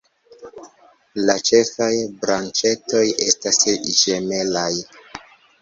La ĉefaj branĉetoj estas ĝemelaj.